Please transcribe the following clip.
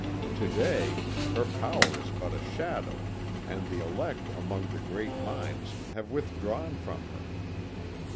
To day her power is but a shadow and the elect among the great minds have withdrawn from her.